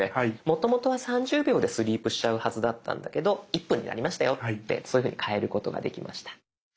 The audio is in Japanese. もともとは３０秒でスリープしちゃうはずだったんだけど１分になりましたよってそういうふうに変えることができました。